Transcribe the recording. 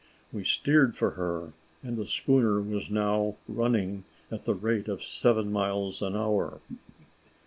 We steered for her, and the schooner was now running at the rate of seven miles an hour.